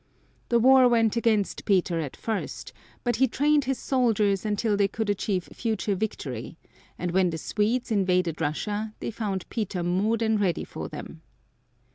The war went against Peter at first, but he trained his soldiers until they could achieve future victory, and when the Swedes invaded Russia they found Peter more than ready for them.